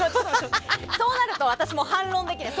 そうなると私も反論できない。